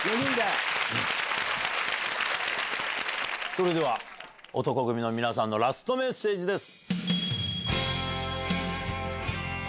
それでは男闘呼組の皆さんのラストメッセージです。